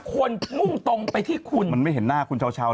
มุ่งตรงไปที่คุณมันไม่เห็นหน้าคุณเช้า